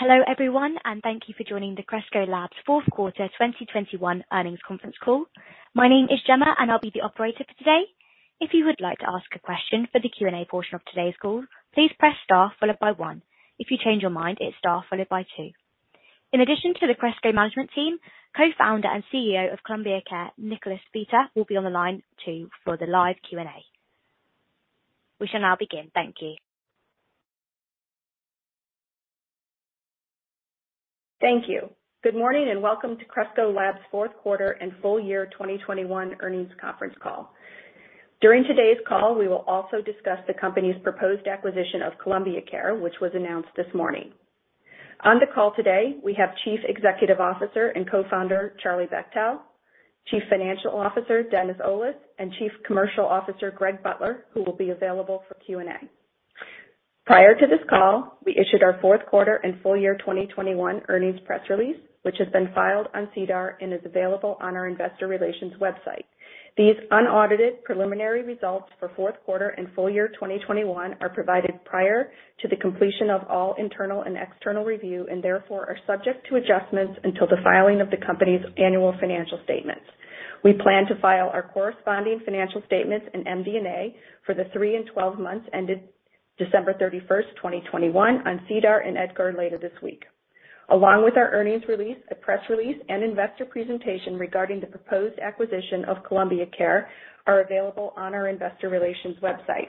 Hello everyone and thank you for joining the Cresco Labs Q4 2021 Earnings Conference Call. My name is Gemma and I'll be the operator for today. If you would like to ask a question for the Q&A portion of today's call, please press Star followed by one. If you change your mind, it's Star followed by two. In addition to the Cresco management team, Co-Founder and CEO of Columbia Care, Nicholas Vita, will be on the line too for the live Q&A. We shall now begin. Thank you. Thank you. Good morning and welcome to Cresco Labs Q4 and full year 2021 earnings conference call. During today's call, we will also discuss the company's proposed acquisition of Columbia Care, which was announced this morning. On the call today, we have Chief Executive Officer and Co-founder, Charlie Bachtell, Chief Financial Officer, Dennis Olis, and Chief Commercial Officer, Greg Butler, who will be available for Q&A. Prior to this call, we issued our Q4 and full year 2021 earnings press release, which has been filed on SEDAR and is available on our investor relations website. These unaudited preliminary results for Q4 and full year 2021 are provided prior to the completion of all internal and external review and therefore are subject to adjustments until the filing of the company's annual financial statements. We plan to file our corresponding financial statements and MD&A for the three and 12 months ended December 31, 2021 on SEDAR and EDGAR later this week. Along with our earnings release, a press release and investor presentation regarding the proposed acquisition of Columbia Care are available on our investor relations website.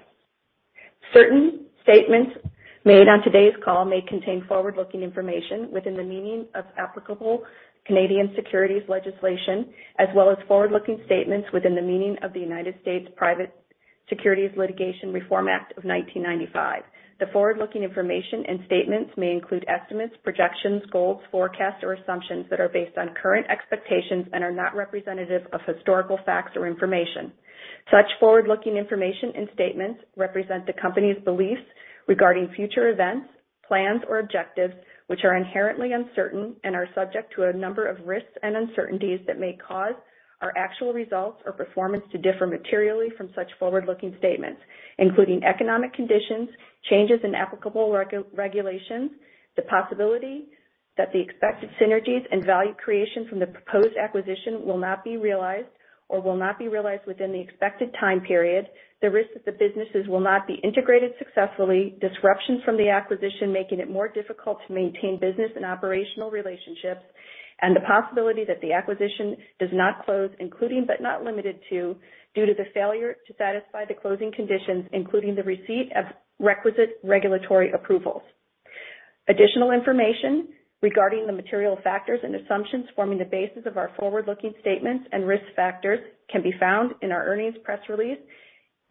Certain statements made on today's call may contain forward-looking information within the meaning of applicable Canadian securities legislation as well as forward-looking statements within the meaning of the United States Private Securities Litigation Reform Act of 1995. The forward-looking information and statements may include estimates, projections, goals, forecasts, or assumptions that are based on current expectations and are not representative of historical facts or information. Such forward-looking information and statements represent the company's beliefs regarding future events, plans, or objectives, which are inherently uncertain and are subject to a number of risks and uncertainties that may cause our actual results or performance to differ materially from such forward-looking statements, including economic conditions, changes in applicable regulations, the possibility that the expected synergies and value creation from the proposed acquisition will not be realized or will not be realized within the expected time period, the risk that the businesses will not be integrated successfully, disruptions from the acquisition, making it more difficult to maintain business and operational relationships, and the possibility that the acquisition does not close, including but not limited to due to the failure to satisfy the closing conditions, including the receipt of requisite regulatory approvals. Additional information regarding the material factors and assumptions forming the basis of our forward-looking statements and risk factors can be found in our earnings press release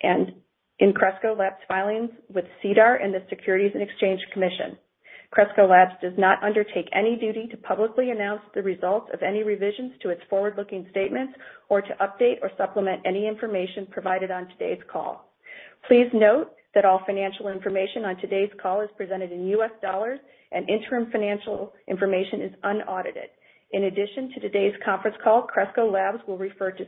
and in Cresco Labs filings with SEDAR and the Securities and Exchange Commission. Cresco Labs does not undertake any duty to publicly announce the results of any revisions to its forward-looking statements or to update or supplement any information provided on today's call. Please note that all financial information on today's call is presented in U.S. dollars and interim financial information is unaudited. In addition to today's conference call, Cresco Labs will refer to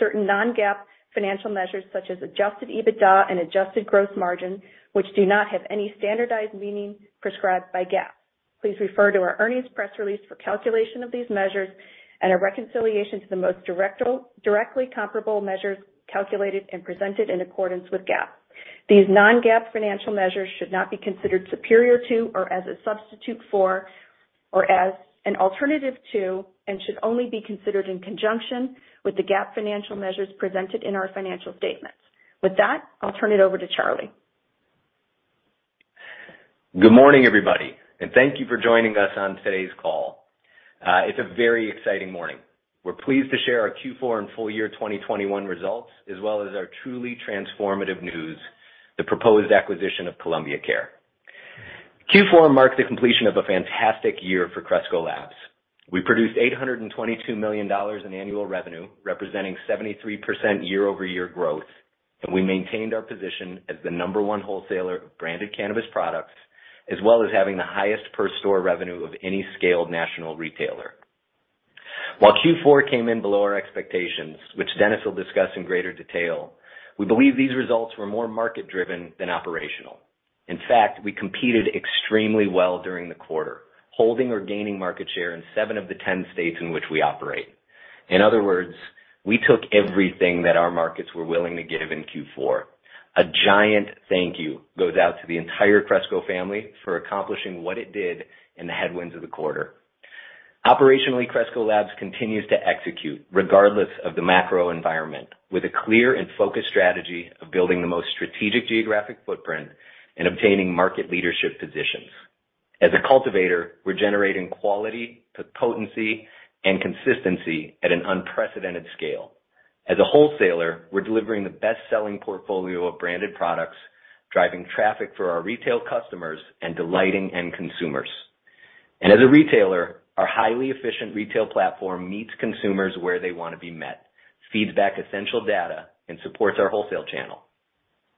certain non-GAAP financial measures such as adjusted EBITDA and adjusted gross margin, which do not have any standardized meaning prescribed by GAAP. Please refer to our earnings press release for calculation of these measures and a reconciliation to the most directly comparable measures calculated and presented in accordance with GAAP. These non-GAAP financial measures should not be considered superior to or as a substitute for, or as an alternative to, and should only be considered in conjunction with the GAAP financial measures presented in our financial statements. With that, I'll turn it over to Charlie. Good morning, everybody, and thank you for joining us on today's call. It's a very exciting morning. We're pleased to share our Q4 and full year 2021 results, as well as our truly transformative news, the proposed acquisition of Columbia Care. Q4 marks the completion of a fantastic year for Cresco Labs. We produced $822 million in annual revenue, representing 73% year-over-year growth. We maintained our position as the number one wholesaler of branded cannabis products, as well as having the highest per store revenue of any scaled national retailer. While Q4 came in below our expectations, which Dennis will discuss in greater detail, we believe these results were more market-driven than operational. In fact, we competed extremely well during the quarter, holding or gaining market share in 7 of the 10 states in which we operate. In other words, we took everything that our markets were willing to give in Q4. A giant thank you goes out to the entire Cresco family for accomplishing what it did in the headwinds of the quarter. Operationally, Cresco Labs continues to execute regardless of the macro environment with a clear and focused strategy of building the most strategic geographic footprint and obtaining market leadership positions. As a cultivator, we're generating quality, potency, and consistency at an unprecedented scale. As a wholesaler, we're delivering the best-selling portfolio of branded products, driving traffic for our retail customers and delighting end consumers. As a retailer, our highly efficient retail platform meets consumers where they want to be met, feeds back essential data, and supports our wholesale channel.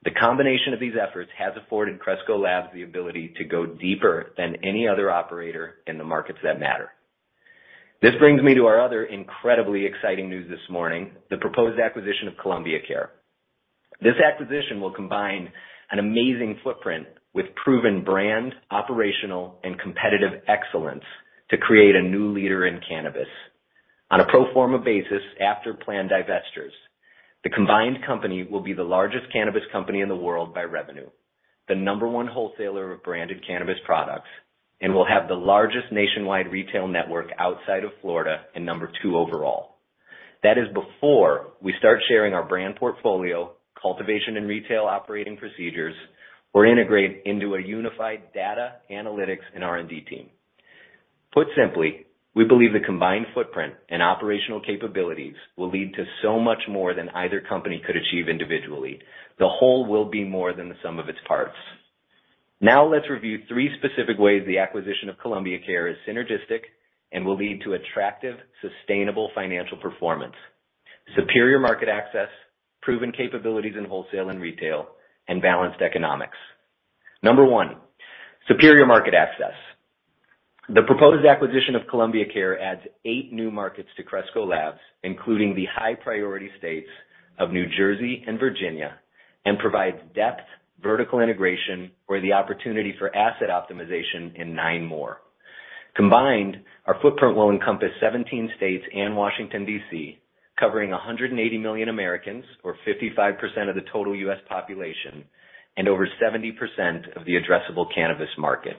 The combination of these efforts has afforded Cresco Labs the ability to go deeper than any other operator in the markets that matter. This brings me to our other incredibly exciting news this morning, the proposed acquisition of Columbia Care. This acquisition will combine an amazing footprint with proven brand, operational, and competitive excellence to create a new leader in cannabis. On a pro forma basis after plan divestitures, the combined company will be the largest cannabis company in the world by revenue, the number one wholesaler of branded cannabis products, and will have the largest nationwide retail network outside of Florida and number two overall. That is before we start sharing our brand portfolio, cultivation and retail operating procedures, or integrate into a unified data analytics and R&D team. Put simply, we believe the combined footprint and operational capabilities will lead to so much more than either company could achieve individually. The whole will be more than the sum of its parts. Now let's review three specific ways the acquisition of Columbia Care is synergistic and will lead to attractive, sustainable financial performance, superior market access, proven capabilities in wholesale and retail, and balanced economics. Number one, superior market access. The proposed acquisition of Columbia Care adds eight new markets to Cresco Labs, including the high-priority states of New Jersey and Virginia, and provides depth, vertical integration, or the opportunity for asset optimization in nine more. Combined, our footprint will encompass 17 states and Washington, D.C., covering 180 million Americans, or 55% of the total U.S. population, and over 70% of the addressable cannabis market.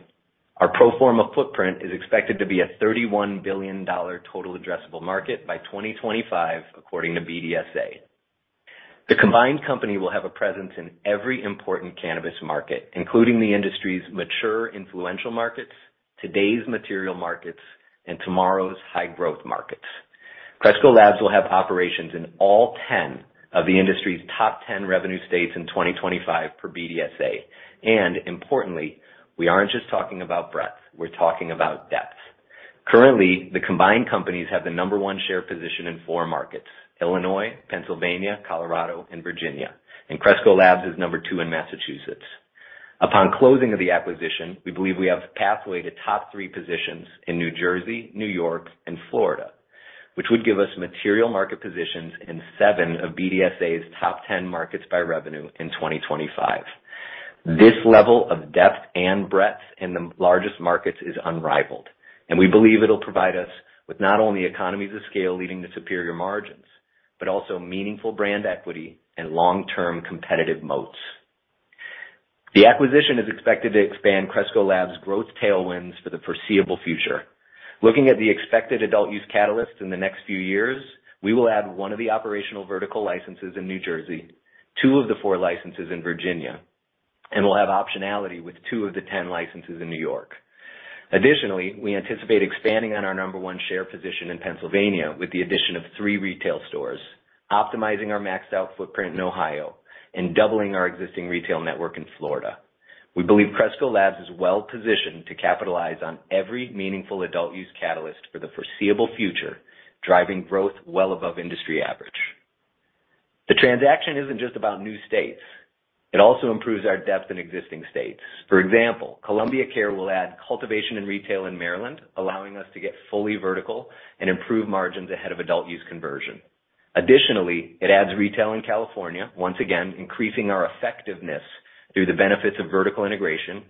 Our pro forma footprint is expected to be a $31 billion total addressable market by 2025 according to BDSA. The combined company will have a presence in every important cannabis market, including the industry's mature influential markets, today's material markets, and tomorrow's high-growth markets. Cresco Labs will have operations in all 10 of the industry's top 10 revenue states in 2025 per BDSA. Importantly, we aren't just talking about breadth, we're talking about depth. Currently, the combined companies have the number one share position in four markets, Illinois, Pennsylvania, Colorado, and Virginia. Cresco Labs is number two in Massachusetts. Upon closing of the acquisition, we believe we have a pathway to top three positions in New Jersey, New York, and Florida, which would give us material market positions in seven of BDSA's top 10 markets by revenue in 2025. This level of depth and breadth in the largest markets is unrivaled, and we believe it'll provide us with not only economies of scale leading to superior margins, but also meaningful brand equity and long-term competitive moats. The acquisition is expected to expand Cresco Labs growth tailwinds for the foreseeable future. Looking at the expected adult use catalysts in the next few years, we will add one of the operational vertical licenses in New Jersey, two of the four licenses in Virginia, and we'll have optionality with two of the 10 licenses in New York. Additionally, we anticipate expanding on our number one share position in Pennsylvania with the addition of three retail stores, optimizing our maxed out footprint in Ohio, and doubling our existing retail network in Florida. We believe Cresco Labs is well-positioned to capitalize on every meaningful adult use catalyst for the foreseeable future, driving growth well above industry average. The transaction isn't just about new states, it also improves our depth in existing states. For example, Columbia Care will add cultivation and retail in Maryland, allowing us to get fully vertical and improve margins ahead of adult use conversion. Additionally, it adds retail in California, once again, increasing our effectiveness through the benefits of vertical integration,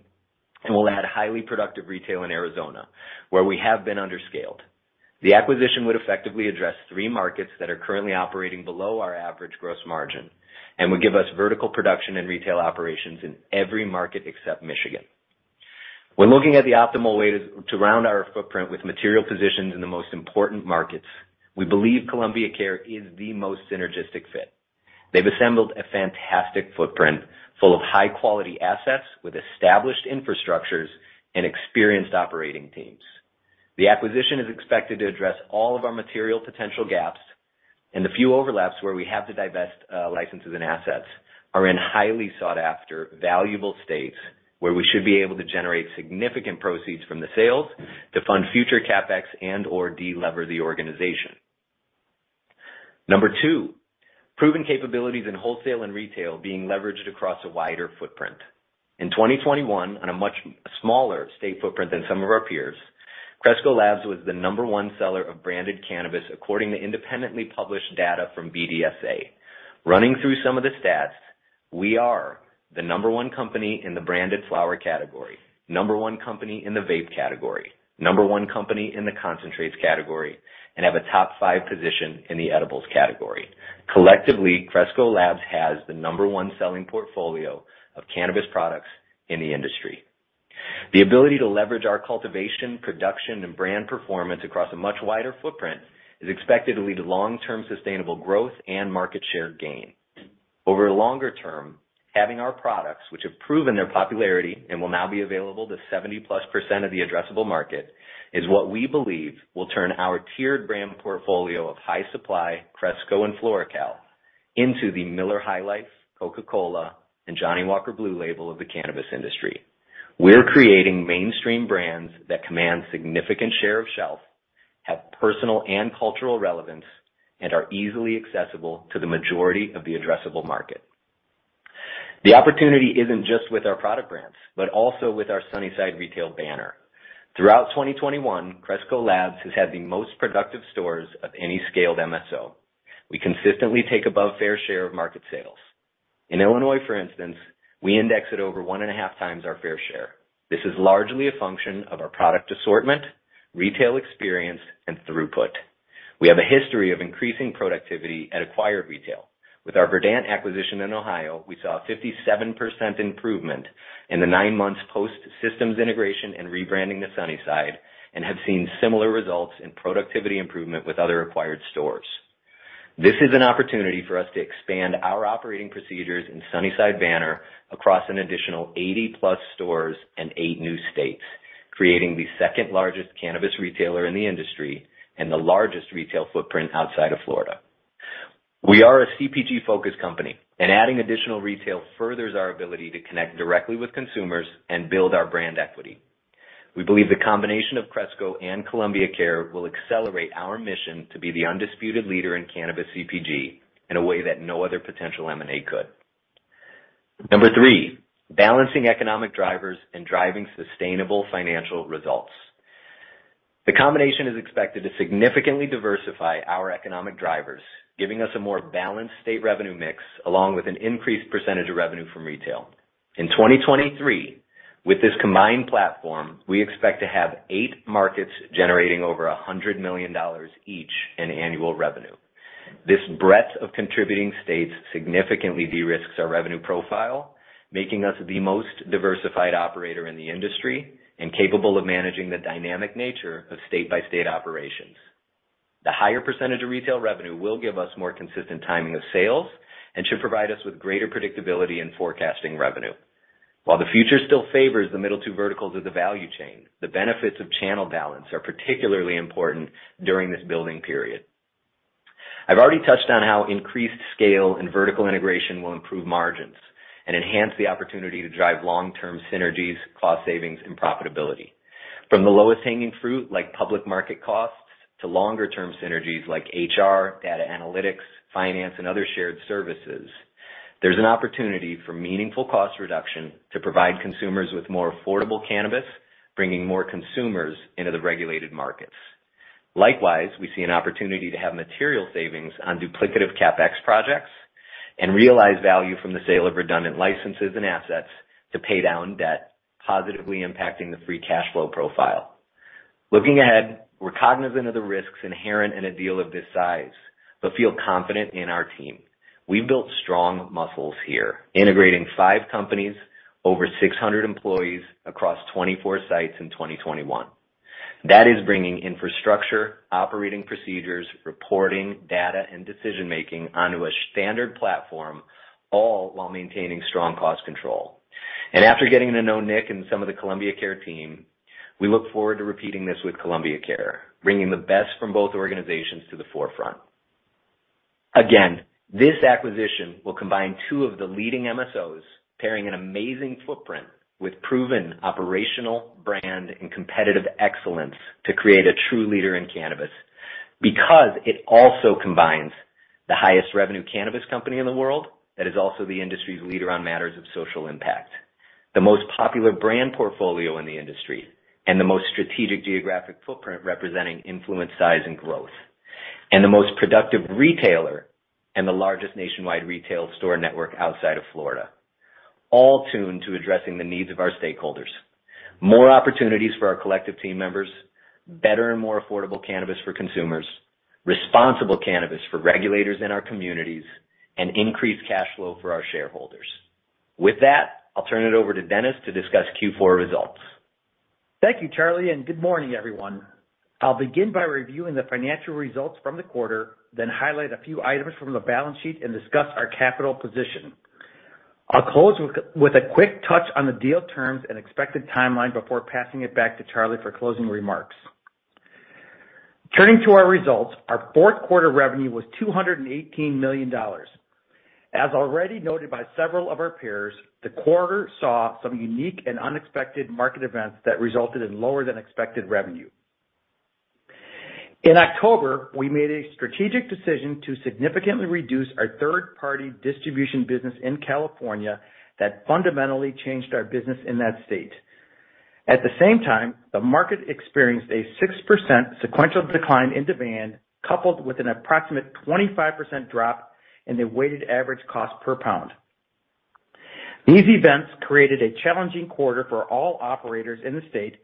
and will add highly productive retail in Arizona, where we have been under-scaled. The acquisition would effectively address three markets that are currently operating below our average gross margin and would give us vertical production and retail operations in every market except Michigan. When looking at the optimal way to round our footprint with material positions in the most important markets, we believe Columbia Care is the most synergistic fit. They've assembled a fantastic footprint full of high-quality assets with established infrastructures and experienced operating teams. The acquisition is expected to address all of our material potential gaps, and the few overlaps where we have to divest licenses and assets are in highly sought-after, valuable states where we should be able to generate significant proceeds from the sales to fund future CapEx and/or de-lever the organization. Number two, proven capabilities in wholesale and retail being leveraged across a wider footprint. In 2021, on a much smaller state footprint than some of our peers, Cresco Labs was the number one seller of branded cannabis, according to independently published data from BDSA. Running through some of the stats, we are the number one company in the branded flower category, number one company in the vape category, number one company in the concentrates category, and have a top five position in the edibles category. Collectively, Cresco Labs has the number one selling portfolio of cannabis products in the industry. The ability to leverage our cultivation, production, and brand performance across a much wider footprint is expected to lead to long-term sustainable growth and market share gain. Over longer term, having our products, which have proven their popularity and will now be available to 70%+ of the addressable market, is what we believe will turn our tiered brand portfolio of High Supply, Cresco and FloraCal, into the Miller High Life, Coca-Cola, and Johnnie Walker Blue Label of the cannabis industry. We're creating mainstream brands that command significant share of shelf, have personal and cultural relevance, and are easily accessible to the majority of the addressable market. The opportunity isn't just with our product brands, but also with our Sunnyside retail banner. Throughout 2021, Cresco Labs has had the most productive stores of any scaled MSO. We consistently take above fair share of market sales. In Illinois, for instance, we index at over 1.5 times our fair share. This is largely a function of our product assortment, retail experience, and throughput. We have a history of increasing productivity at acquired retail. With our Verdant acquisition in Ohio, we saw a 57% improvement in the 9 months post systems integration and rebranding to Sunnyside, and have seen similar results in productivity improvement with other acquired stores. This is an opportunity for us to expand our operating procedures in Sunnyside banner across an additional 80+ stores and 8 new states, creating the second-largest cannabis retailer in the industry and the largest retail footprint outside of Florida. We are a CPG-focused company, and adding additional retail furthers our ability to connect directly with consumers and build our brand equity. We believe the combination of Cresco Labs and Columbia Care will accelerate our mission to be the undisputed leader in cannabis CPG in a way that no other potential M&A could. Number three, balancing economic drivers and driving sustainable financial results. The combination is expected to significantly diversify our economic drivers, giving us a more balanced state revenue mix, along with an increased percentage of revenue from retail. In 2023, with this combined platform, we expect to have eight markets generating over $100 million each in annual revenue. This breadth of contributing states significantly de-risks our revenue profile, making us the most diversified operator in the industry and capable of managing the dynamic nature of state-by-state operations. The higher percentage of retail revenue will give us more consistent timing of sales and should provide us with greater predictability in forecasting revenue. While the future still favors the middle two verticals of the value chain, the benefits of channel balance are particularly important during this building period. I've already touched on how increased scale and vertical integration will improve margins and enhance the opportunity to drive long-term synergies, cost savings, and profitability. From the lowest-hanging fruit, like public market costs, to longer-term synergies like HR, data analytics, finance, and other shared services, there's an opportunity for meaningful cost reduction to provide consumers with more affordable cannabis, bringing more consumers into the regulated markets. Likewise, we see an opportunity to have material savings on duplicative CapEx projects and realize value from the sale of redundant licenses and assets to pay down debt, positively impacting the free cash flow profile. Looking ahead, we're cognizant of the risks inherent in a deal of this size, but feel confident in our team. We've built strong muscles here, integrating five companies, over 600 employees across 24 sites in 2021. That is bringing infrastructure, operating procedures, reporting, data, and decision-making onto a standard platform, all while maintaining strong cost control. After getting to know Nick and some of the Columbia Care team, we look forward to repeating this with Columbia Care, bringing the best from both organizations to the forefront. Again, this acquisition will combine two of the leading MSOs, pairing an amazing footprint with proven operational brand and competitive excellence to create a true leader in cannabis. Because it also combines the highest revenue cannabis company in the world, that is also the industry's leader on matters of social impact, the most popular brand portfolio in the industry and the most strategic geographic footprint representing influence, size, and growth, and the most productive retailer and the largest nationwide retail store network outside of Florida, all tuned to addressing the needs of our stakeholders. More opportunities for our collective team members, better and more affordable cannabis for consumers, responsible cannabis for regulators in our communities, and increased cash flow for our shareholders. With that, I'll turn it over to Dennis to discuss Q4 results. Thank you, Charlie, and good morning, everyone. I'll begin by reviewing the financial results from the quarter, then highlight a few items from the balance sheet and discuss our capital position. I'll close with a quick touch on the deal terms and expected timeline before passing it back to Charlie for closing remarks. Turning to our results, our Q4 revenue was $218 million. As already noted by several of our peers, the quarter saw some unique and unexpected market events that resulted in lower-than-expected revenue. In October, we made a strategic decision to significantly reduce our third-party distribution business in California that fundamentally changed our business in that state. At the same time, the market experienced a 6% sequential decline in demand, coupled with an approximate 25% drop in the weighted average cost per pound. These events created a challenging quarter for all operators in the state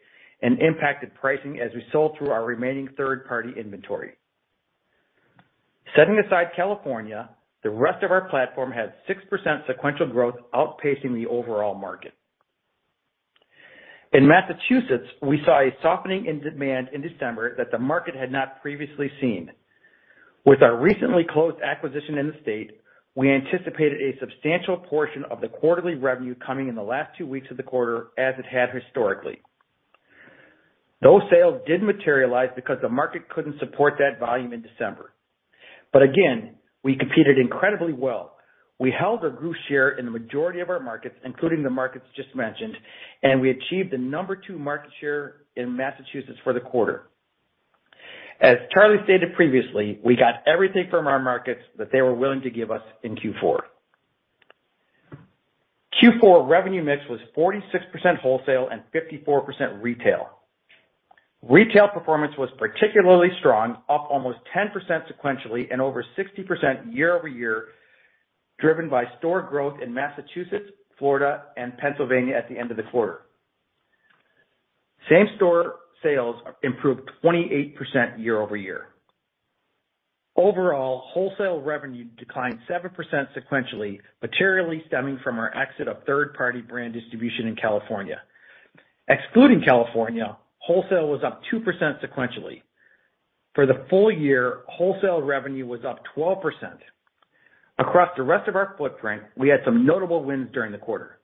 and impacted pricing as we sold through our remaining third-party inventory. Setting aside California, the rest of our platform had 6% sequential growth, outpacing the overall market. In Massachusetts, we saw a softening in demand in December that the market had not previously seen. With our recently closed acquisition in the state, we anticipated a substantial portion of the quarterly revenue coming in the last two weeks of the quarter as it had historically. Those sales didn't materialize because the market couldn't support that volume in December. Again, we competed incredibly well. We held or grew share in the majority of our markets, including the markets just mentioned, and we achieved the number two market share in Massachusetts for the quarter. As Charlie stated previously, we got everything from our markets that they were willing to give us in Q4. Q4 revenue mix was 46% wholesale and 54% retail. Retail performance was particularly strong, up almost 10% sequentially and over 60% year-over-year, driven by store growth in Massachusetts, Florida, and Pennsylvania at the end of the quarter. Same-store sales improved 28% year-over-year. Overall, wholesale revenue declined 7% sequentially, materially stemming from our exit of third-party brand distribution in California. Excluding California, wholesale was up 2% sequentially. For the full year, wholesale revenue was up 12%. Across the rest of our footprint, we had some notable wins during the quarter.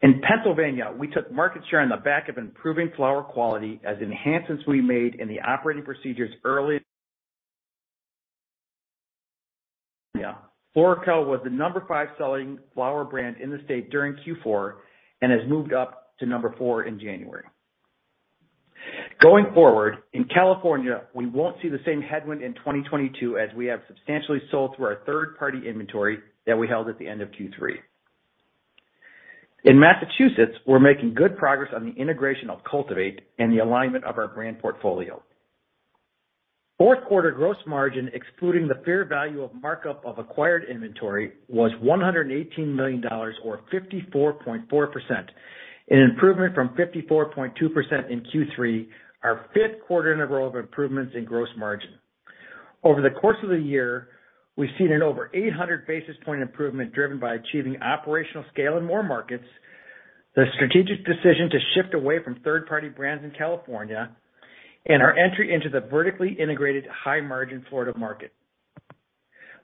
In Pennsylvania, we took market share on the back of improving flower quality as enhancements we made in the operating procedures. Early FloraCal was the number five selling flower brand in the state during Q4 and has moved up to number 4 in January. Going forward, in California, we won't see the same headwind in 2022 as we have substantially sold through our third-party inventory that we held at the end of Q3. In Massachusetts, we're making good progress on the integration of Cultivate and the alignment of our brand portfolio. Q4 gross margin, excluding the fair value of markup of acquired inventory, was $118 million or 54.4%, an improvement from 54.2% in Q3, our 5th quarter in a row of improvements in gross margin. Over the course of the year, we've seen an over 800 basis points improvement driven by achieving operational scale in more markets, the strategic decision to shift away from third-party brands in California, and our entry into the vertically integrated high-margin Florida market.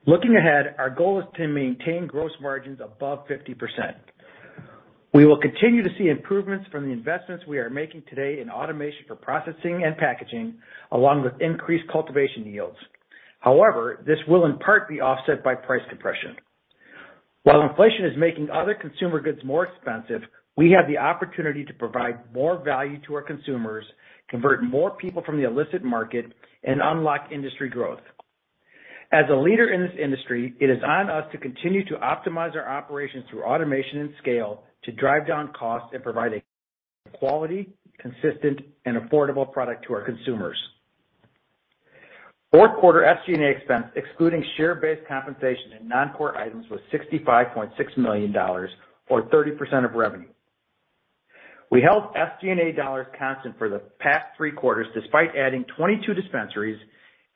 Looking ahead, our goal is to maintain gross margins above 50%. We will continue to see improvements from the investments we are making today in automation for processing and packaging, along with increased cultivation yields. However, this will in part be offset by price compression. While inflation is making other consumer goods more expensive, we have the opportunity to provide more value to our consumers, convert more people from the illicit market, and unlock industry growth. As a leader in this industry, it is on us to continue to optimize our operations through automation and scale to drive down costs and provide a quality, consistent, and affordable product to our consumers. Q4 SG&A expense, excluding share-based compensation and non-core items, was $65.6 million, or 30% of revenue. We held SG&A dollars constant for the past three quarters, despite adding 22 dispensaries,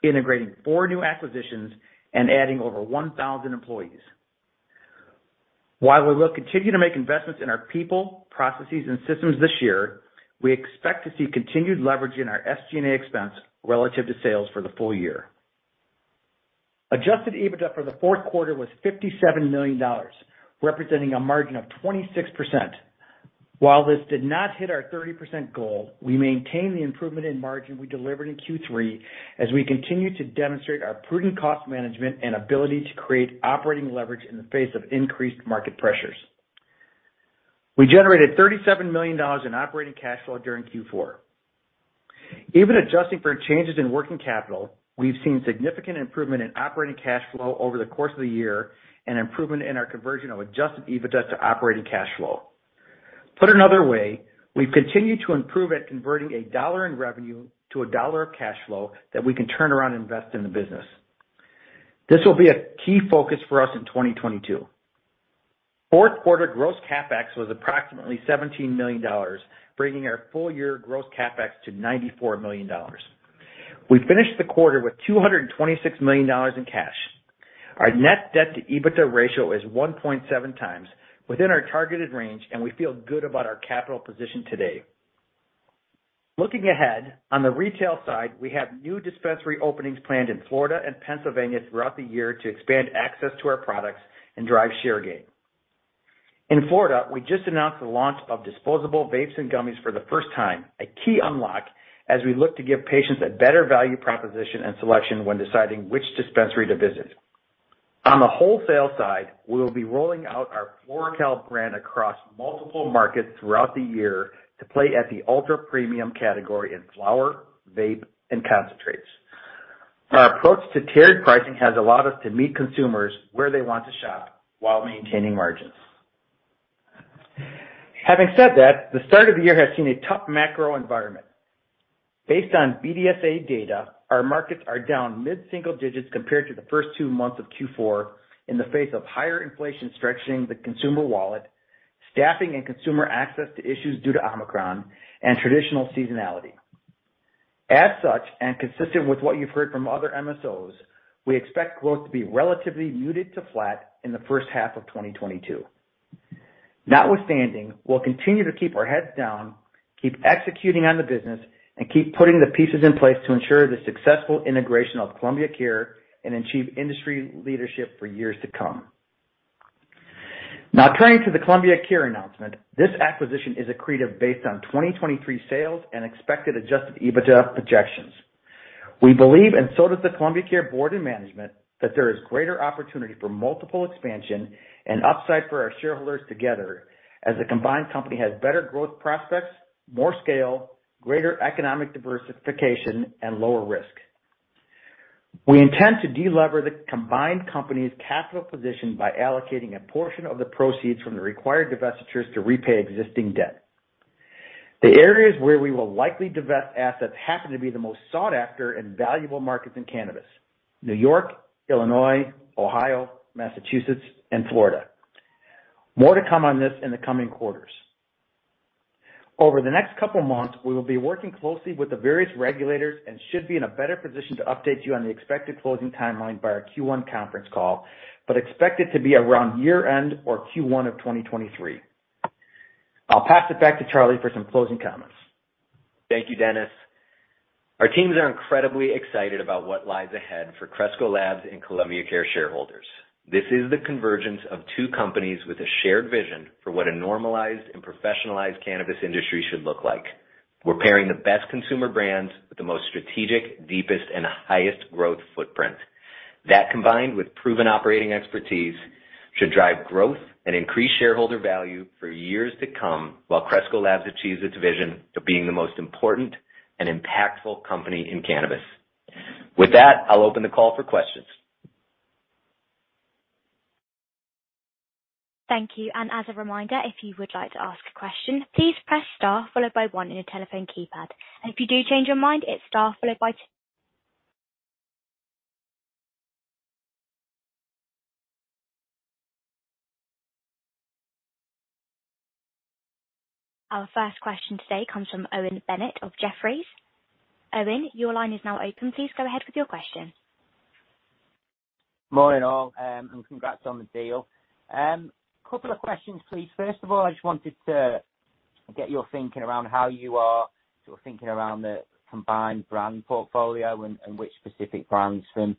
integrating four new acquisitions, and adding over 1,000 employees. While we will continue to make investments in our people, processes, and systems this year, we expect to see continued leverage in our SG&A expense relative to sales for the full year. Adjusted EBITDA for the Q4 was $57 million, representing a margin of 26%. While this did not hit our 30% goal, we maintain the improvement in margin we delivered in Q3 as we continue to demonstrate our prudent cost management and ability to create operating leverage in the face of increased market pressures. We generated $37 million in operating cash flow during Q4. Even adjusting for changes in working capital, we've seen significant improvement in operating cash flow over the course of the year and improvement in our conversion of adjusted EBITDA to operating cash flow. Put another way, we've continued to improve at converting a dollar in revenue to a dollar of cash flow that we can turn around and invest in the business. This will be a key focus for us in 2022. Q4 gross CapEx was approximately $17 million, bringing our full-year gross CapEx to $94 million. We finished the quarter with $226 million in cash. Our net debt-to-EBITDA ratio is 1.7 times within our targeted range, and we feel good about our capital position today. Looking ahead, on the retail side, we have new dispensary openings planned in Florida and Pennsylvania throughout the year to expand access to our products and drive share gain. In Florida, we just announced the launch of disposable vapes and gummies for the first time, a key unlock as we look to give patients a better value proposition and selection when deciding which dispensary to visit. On the wholesale side, we will be rolling out our FloraCal brand across multiple markets throughout the year to play at the ultra-premium category in flower, vape, and concentrates. Our approach to tiered pricing has allowed us to meet consumers where they want to shop while maintaining margins. Having said that, the start of the year has seen a tough macro environment. Based on BDSA data, our markets are down mid-single digits compared to the first two months of Q4 in the face of higher inflation stretching the consumer wallet, staffing and consumer access issues due to Omicron, and traditional seasonality. As such, and consistent with what you've heard from other MSOs, we expect growth to be relatively muted to flat in the H1 of 2022. Notwithstanding, we'll continue to keep our heads down, keep executing on the business, and keep putting the pieces in place to ensure the successful integration of Columbia Care and achieve industry leadership for years to come. Now turning to the Columbia Care announcement. This acquisition is accretive based on 2023 sales and expected adjusted EBITDA projections. We believe, and so does the Columbia Care board and management, that there is greater opportunity for multiple expansion and upside for our shareholders together as the combined company has better growth prospects, more scale, greater economic diversification, and lower risk. We intend to delever the combined company's capital position by allocating a portion of the proceeds from the required divestitures to repay existing debt. The areas where we will likely divest assets happen to be the most sought after in valuable markets in cannabis, New York, Illinois, Ohio, Massachusetts, and Florida. More to come on this in the coming quarters. Over the next couple of months, we will be working closely with the various regulators and should be in a better position to update you on the expected closing timeline by our Q1 conference call but expect it to be around year-end or Q1 of 2023. I'll pass it back to Charlie for some closing comments. Thank you, Dennis. Our teams are incredibly excited about what lies ahead for Cresco Labs and Columbia Care shareholders. This is the convergence of two companies with a shared vision for what a normalized and professionalized cannabis industry should look like. We're pairing the best consumer brands with the most strategic, deepest, and highest growth footprint. That, combined with proven operating expertise, should drive growth and increase shareholder value for years to come while Cresco Labs achieves its vision of being the most important and impactful company in cannabis. With that, I'll open the call for questions. Thank you. As a reminder, if you would like to ask a question, please press star followed by one in your telephone keypad. If you do change your mind, it's star followed by two. Our first question today comes from Owen Bennett of Jefferies. Owen, your line is now open. Please go ahead with your question. Morning all, congrats on the deal. Couple of questions, please. First of all, I just wanted to get your thinking around how you are sort of thinking around the combined brand portfolio and which specific brands from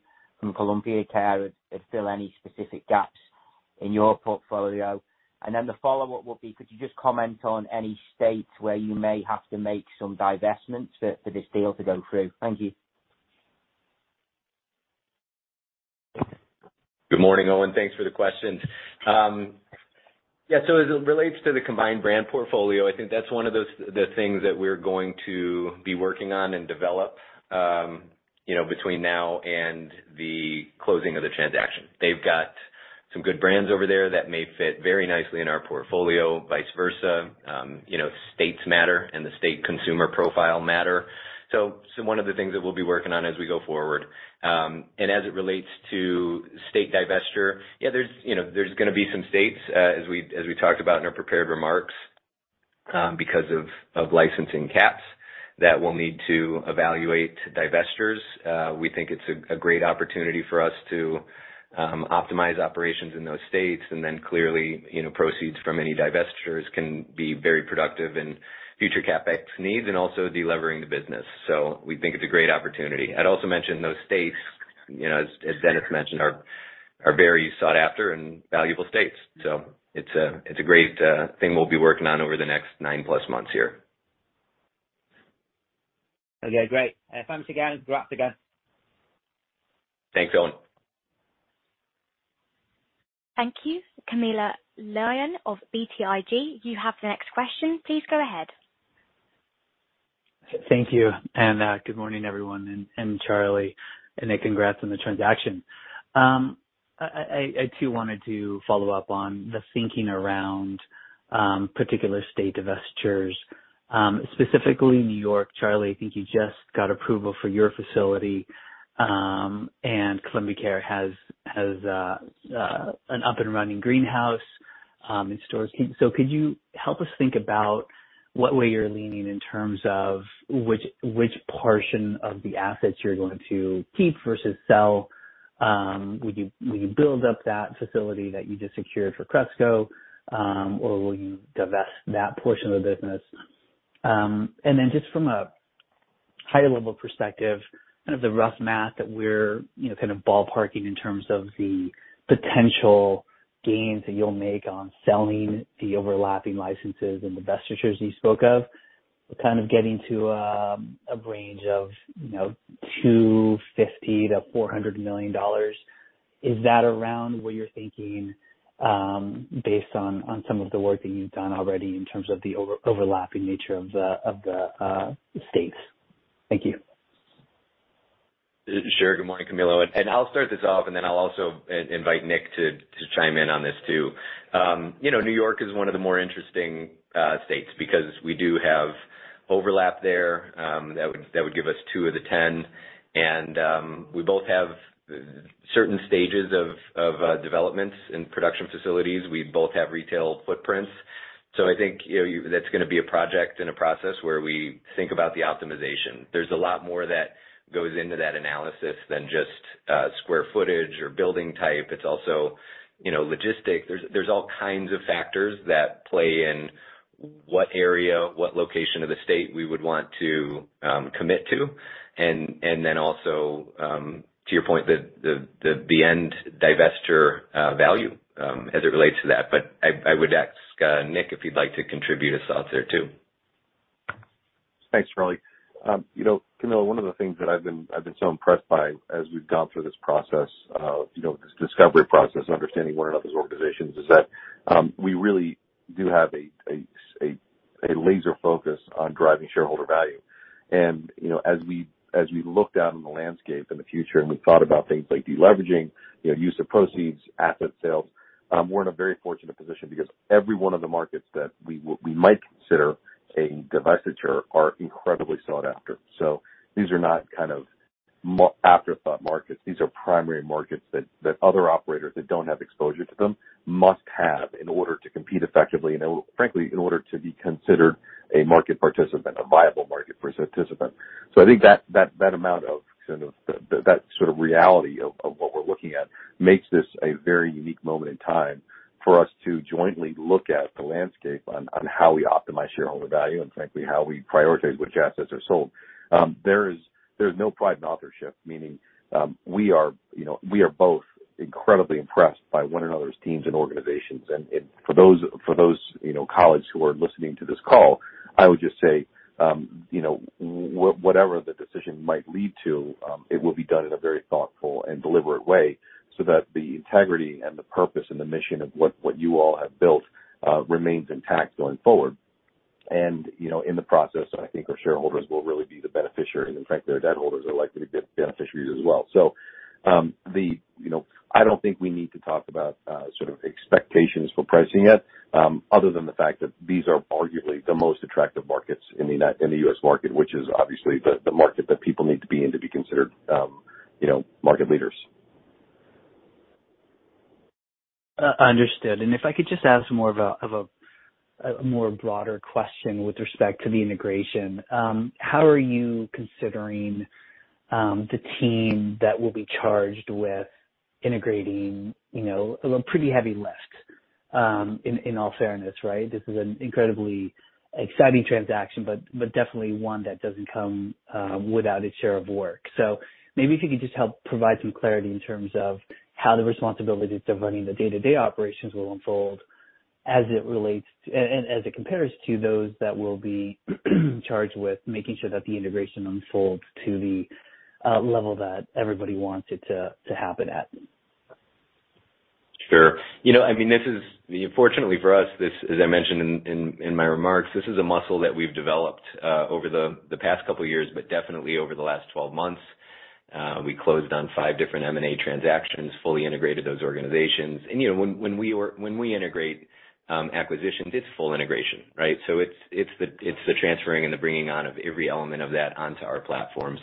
Columbia Care would fill any specific gaps in your portfolio. The follow-up would be, could you just comment on any states where you may have to make some divestments for this deal to go through? Thank you. Good morning, Owen. Thanks for the questions. Yeah. As it relates to the combined brand portfolio, I think that's one of those things that we're going to be working on and develop, you know, between now and the closing of the transaction. They've got some good brands over there that may fit very nicely in our portfolio, vice versa. You know, states matter and the state consumer profile matter. One of the things that we'll be working on as we go forward. As it relates to state divestiture, yeah, there's, you know, gonna be some states, as we talked about in our prepared remarks, because of licensing caps that we'll need to evaluate divestitures. We think it's a great opportunity for us to optimize operations in those states. Clearly, you know, proceeds from any divestitures can be very productive in future CapEx needs and also delevering the business. We think it's a great opportunity. I'd also mention those states, you know, as Dennis mentioned, are very sought after and valuable states. It's a great thing we'll be working on over the next 9+ months here. Okay, great. Thanks again. Congrats again. Thanks, Owen. Thank you. Camilo Lyon of BTIG, you have the next question. Please go ahead. Thank you. Good morning, everyone, and Charlie, and congrats on the transaction. I too wanted to follow up on the thinking around particular state divestitures, specifically New York. Charlie, I think you just got approval for your facility, and Columbia Care has an up and running greenhouse in stores. Could you help us think about what way you're leaning in terms of which portion of the assets you're going to keep versus sell? Will you build up that facility that you just secured for Cresco, or will you divest that portion of the business? Just from a high-level perspective, kind of the rough math that we're, you know, kind of ballparking in terms of the potential gains that you'll make on selling the overlapping licenses and divestitures you spoke of. We're kind of getting to a range of, you know, $250 million-$400 million. Is that around what you're thinking, based on some of the work that you've done already in terms of the overlapping nature of the states? Thank you. Sure. Good morning, Camilo. I'll start this off, and then I'll also invite Nick to chime in on this too. You know, New York is one of the more interesting states because we do have overlap there that would give us two of the 10. We both have certain stages of developments in production facilities. We both have retail footprints. I think, you know, that's gonna be a project and a process where we think about the optimization. There's a lot more that goes into that analysis than just square footage or building type. It's also, you know, logistics. There's all kinds of factors that play in what area, what location of the state we would want to commit to. To your point, the divestiture value, as it relates to that. I would ask, Nick, if you'd like to contribute his thoughts there too. Thanks, Charlie. You know, Camilo, one of the things that I've been so impressed by as we've gone through this process of, you know, this discovery process and understanding one another's organizations is that we really do have a laser focus on driving shareholder value. You know, as we look out in the landscape in the future, and we've thought about things like deleveraging, you know, use of proceeds, asset sales, we're in a very fortunate position because every one of the markets that we might consider a divestiture are incredibly sought after. These are not kind of afterthought markets. These are primary markets that other operators that don't have exposure to them must have in order to compete effectively, and frankly, in order to be considered a market participant, a viable market participant. I think that amount of sort of reality of what we're looking at makes this a very unique moment in time for us to jointly look at the landscape on how we optimize shareholder value and frankly, how we prioritize which assets are sold. There's no pride in authorship, meaning, you know, we are both incredibly impressed by one another's teams and organizations. For those, you know, colleagues who are listening to this call, I would just say, you know, whatever the decision might lead to, it will be done in a very thoughtful and deliberate way so that the integrity and the purpose and the mission of what you all have built remains intact going forward. You know, in the process, I think our shareholders will really be the beneficiary, and frankly, our debt holders are likely to be beneficiaries as well. You know, I don't think we need to talk about sort of expectations for pricing yet, other than the fact that these are arguably the most attractive markets in the U.S. market, which is obviously the market that people need to be in to be considered, you know, market leaders. Understood. If I could just ask a more broader question with respect to the integration, how are you considering the team that will be charged with integrating, you know, a pretty heavy lift, in all fairness, right? This is an incredibly exciting transaction, but definitely one that doesn't come without its share of work. Maybe if you could just help provide some clarity in terms of how the responsibilities of running the day-to-day operations will unfold as it relates to and as it compares to those that will be charged with making sure that the integration unfolds to the level that everybody wants it to happen at. Sure. You know, I mean, this is fortunately for us, this, as I mentioned in my remarks, this is a muscle that we've developed over the past couple of years, but definitely over the last 12 months. We closed on five different M&A transactions, fully integrated those organizations. You know, when we integrate acquisitions, it's full integration, right? So, it's the transferring and the bringing on of every element of that onto our platform.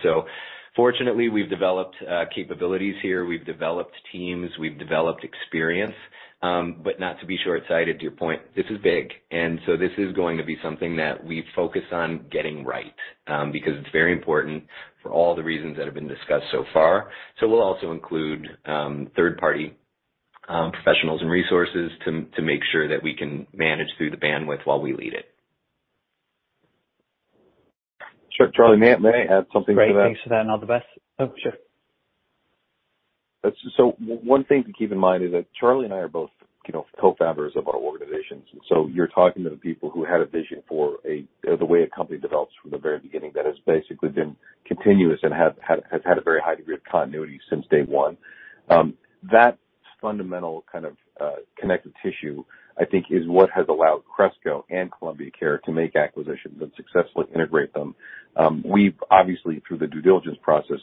Fortunately, we've developed capabilities here. We've developed teams, we've developed experience, but not to be short-sighted to your point, this is big. This is going to be something that we focus on getting right, because it's very important for all the reasons that have been discussed so far. We'll also include third-party professionals and resources to make sure that we can manage through the bandwidth while we lead it. Sure. Charlie, may I add something to that? Great. Thanks for that. I'll be back. Oh, sure. One thing to keep in mind is that Charlie and I are both, you know, co-founders of our organizations. You're talking to the people who had a vision for the way a company develops from the very beginning that has basically been continuous and has had a very high degree of continuity since day one. That fundamental kind of connective tissue, I think, is what has allowed Cresco and Columbia Care to make acquisitions and successfully integrate them. We've obviously, through the due diligence process,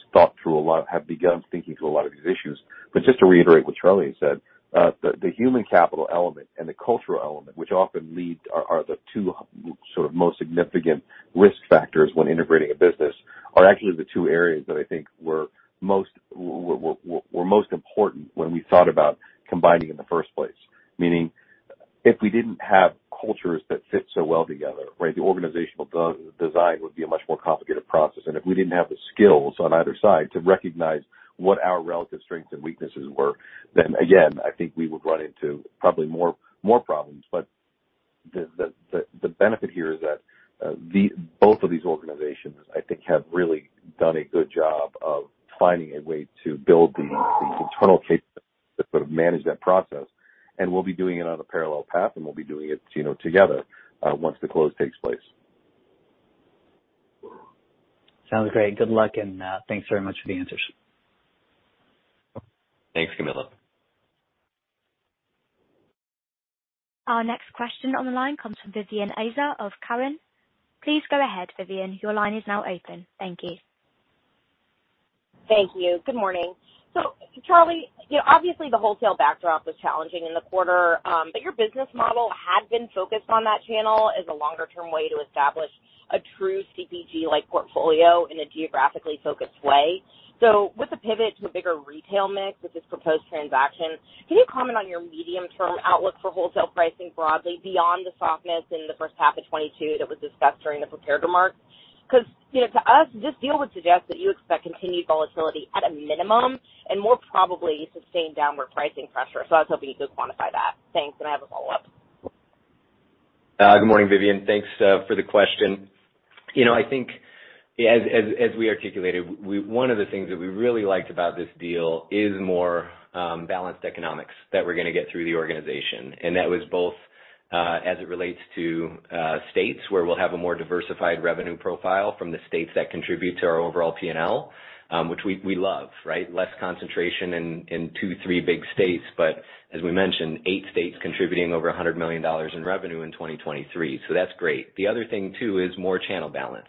have begun thinking through a lot of these issues. Just to reiterate what Charlie said, the human capital element and the cultural element, which often are the two sort of most significant risk factors when integrating a business, are actually the two areas that I think were most important when we thought about combining in the first place. Meaning, if we didn't have cultures that fit so well together, right? The organizational redesign would be a much more complicated process. If we didn't have the skills on either side to recognize what our relative strengths and weaknesses were, then again, I think we would run into probably more problems. The benefit here is that both of these organizations, I think, have really done a good job of finding a way to build the internal cases that sort of manage that process. We'll be doing it on a parallel path, and we'll be doing it, you know, together once the close takes place. Sounds great. Good luck, and thanks very much for the answers. Thanks, Camilo. Our next question on the line comes from Vivien Azer of Cowen. Please go ahead, Vivian. Your line is now open. Thank you. Thank you. Good morning. Charlie, you know, obviously the wholesale backdrop was challenging in the quarter, but your business model had been focused on that channel as a longer-term way to establish a true CPG-like portfolio in a geographically focused way. With the pivot to a bigger retail mix with this proposed transaction, can you comment on your medium-term outlook for wholesale pricing broadly beyond the softness in the H1 of 2022 that was discussed during the prepared remarks? 'Cause, you know, to us, this deal would suggest that you expect continued volatility at a minimum and more probably sustained downward pricing pressure. I was hoping you could quantify that. Thanks, and I have a follow-up. Good morning, Vivien. Thanks for the question. You know, I think as we articulated, one of the things that we really liked about this deal is more balanced economics that we're gonna get through the organization. That was both as it relates to states where we'll have a more diversified revenue profile from the states that contribute to our overall P&L, which we love, right? Less concentration in two, three big states. As we mentioned, eight states contributing over $100 million in revenue in 2023. That's great. The other thing too is more channel balance.